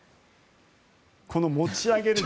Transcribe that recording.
この持ち上げる。